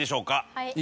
はい。